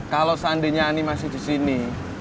kalau seandainya ani masih disini